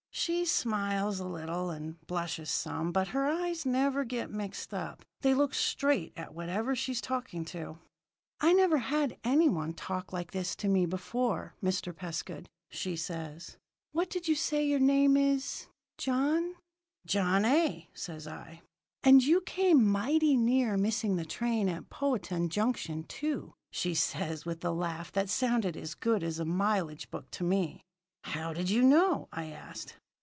"She smiles a little, and blushes some, but her eyes never get mixed up. They look straight at whatever she's talking to. "'I never had any one talk like this to me before, Mr. Pescud,' says she. 'What did you say your name is John?' "'John A.,' says I. "'And you came mighty near missing the train at Powhatan Junction, too,' says she, with a laugh that sounded as good as a mileage book to me. "'How did you know?' I asked.